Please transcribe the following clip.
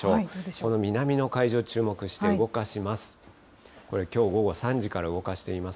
この南の海上、注目して動かします。